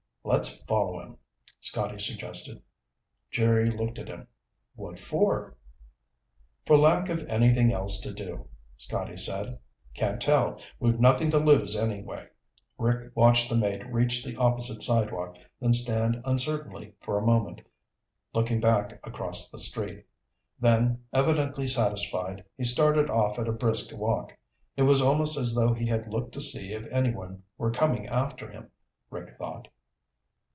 "Let's follow him," Scotty suggested. Jerry looked at him. "What for?" "For lack of anything else to do," Scotty said. "Can't tell. We've nothing to lose, anyway." Rick watched the mate reach the opposite sidewalk, then stand uncertainly for a moment, looking back across the street. Then, evidently satisfied, he started off at a brisk walk. It was almost as though he had looked to see if anyone were coming after him, Rick thought.